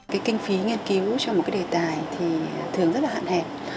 cái kinh phí nghiên cứu cho một cái đề tài thì thường rất là hạn hẹp